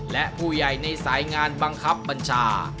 และผู้ใหญ่ในสายงานบังคับบัญชา